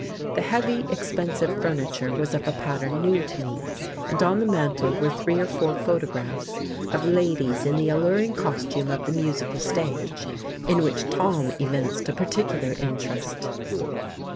The heavy, expensive furniture was of a pattern new to me; and on the mantel were three or four photographs of ladies in the alluring costume of the musical stage, in which Tom evinced a particular interest.